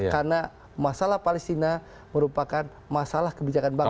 karena masalah palestina merupakan masalah kebijakan bangsa